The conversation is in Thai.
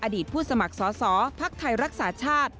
อดีตผู้สมัครสอพักไทยรักษาชาติ